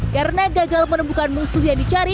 karena gagal menemukan musuh yang dicari